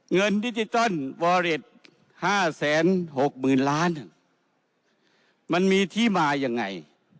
เงินดิจิตอลวอเรด๕๖๐๐๐ล้านมันมีที่มายังไง